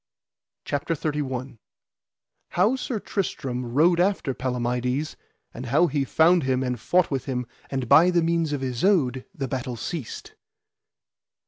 CHAPTER XXXI. How Sir Tristram rode after Palamides, and how he found him and fought with him, and by the means of Isoud the battle ceased.